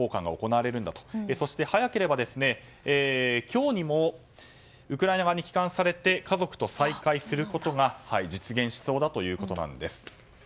そして早ければ今日にもウクライナ側に帰還されて家族と再会することが実現しそうだということなんです。